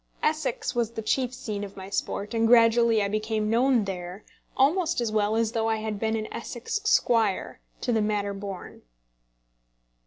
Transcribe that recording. Essex was the chief scene of my sport, and gradually I became known there almost as well as though I had been an Essex squire, to the manner born.